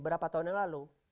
berapa tahun yang lalu